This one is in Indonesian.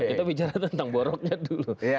kita bicara tentang boroknya dulu